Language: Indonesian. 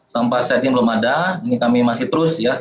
sampai saat ini belum ada ini kami masih terus ya